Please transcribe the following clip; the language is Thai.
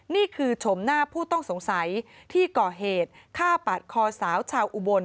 ชมหน้าผู้ต้องสงสัยที่ก่อเหตุฆ่าปาดคอสาวชาวอุบล